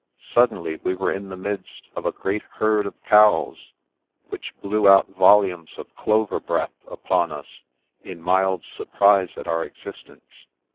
Suddenly we were in the midst of a great herd of cows, which blew out volumes of clover breath upon us, in mild surprise at our existence.